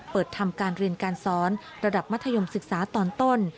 เปิดทำการเรียนการสอนระดับมัธยมศึกษาตอนต้น